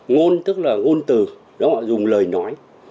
ngôn tức là ngôn từ đúng họ dùng lời nói